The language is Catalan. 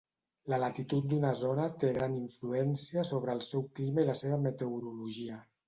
La latitud d'una zona té gran influència sobre el seu clima i la seva meteorologia.